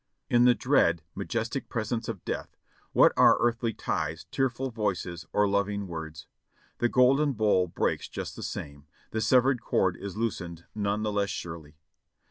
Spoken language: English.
In the dread, majestic presence of Death, what are earthly ties, tearful voices or loving words? The golden bowl breaks just the same, the severed cord is loosened none the less surely.